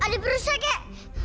ada perusahaan kak